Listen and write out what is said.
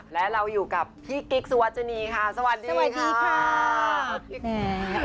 และเราอยู่กับพี่กิ๊กสุวัชนีค่ะสวัสดีค่ะ